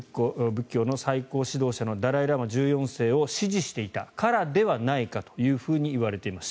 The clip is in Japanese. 仏教の最高指導者のダライ・ラマ１４世を支持していたからではないかというふうにいわれています。